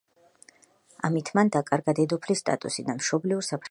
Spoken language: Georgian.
ამით მან დაკარგა დედოფლის სტატუსი და მშობლიურ საფრანგეთში გაემგზავრა.